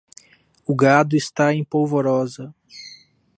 O gado está em polvorosa